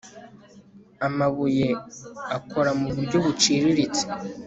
amabuye akora muburyo buciriritse